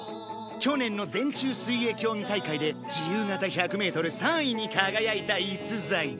去年の全中水泳競技大会で自由形１００メートル３位に輝いた逸材だ。